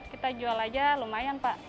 kita jual aja lumayan pak